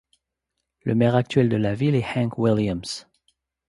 Le maire actuel de la ville est Hank Williams.